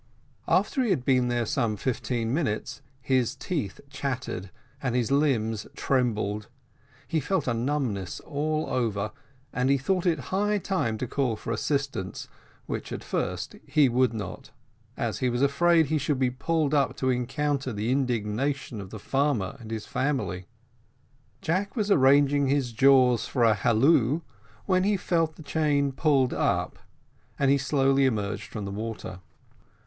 After he had been there some fifteen minutes, his teeth chattered, and his limbs trembled; he felt a numbness all over, and he thought it high time to call for assistance, which at first he would not, as he was afraid he should be pulled up to encounter the indignation of the farmer and his family. Jack was arranging his jaws for a halloo, when he felt the chain pulled up, and he slowly emerged from the water.